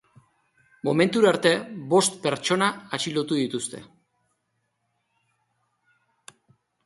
Momentura arte, bost pertsona atxilotu dituzte.